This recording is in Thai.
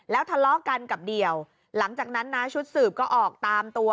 แล้วทะเลาะกันกับเดี่ยวหลังจากนั้นนะชุดสืบก็ออกตามตัว